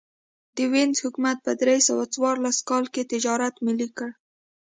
د وینز حکومت په درې سوه څوارلس کال کې تجارت ملي کړ